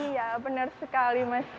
iya benar sekali mas